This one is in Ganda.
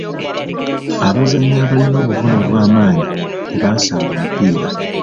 Abazannyi ablina obuvune obw'amaanyi tebasamba mupiira.